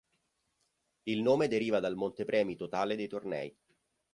Il nome deriva dal montepremi totale dei tornei.